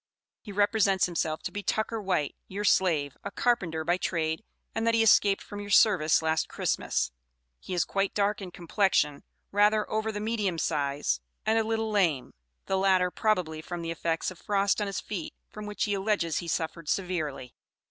He represents himself to be Tucker White, your slave, a carpenter by trade, and that he escaped from your service last Christmas. He is quite dark in complexion, rather over the medium size, and a little lame; the latter, probably, from the effects of frost on his feet, from which, he alleges, he suffered severely.